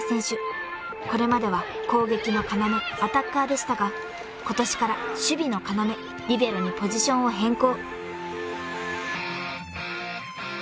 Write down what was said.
［これまでは攻撃の要アタッカーでしたが今年から守備の要リベロにポジションを変更］